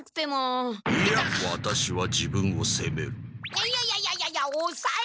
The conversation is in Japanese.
いやいやいやいやいやいやおさえて！